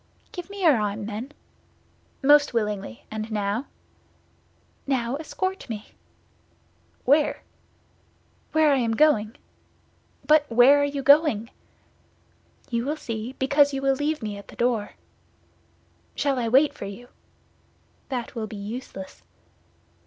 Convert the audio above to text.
"Give me your arm, then." "Most willingly. And now?" "Now escort me." "Where?" "Where I am going." "But where are you going?" "You will see, because you will leave me at the door." "Shall I wait for you?" "That will be useless."